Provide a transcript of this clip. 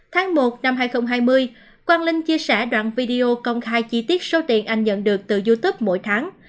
tháng một năm hai nghìn hai mươi quang linh chia sẻ đoạn video công khai chi tiết số tiền anh nhận được từ youtube mỗi tháng